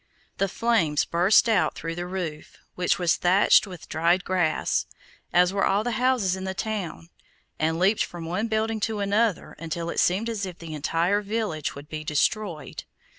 The flames burst out through the roof, which was thatched with dried grass, as were all the houses in the town, and leaped from one building to another until it seemed as if the entire village would be destroyed.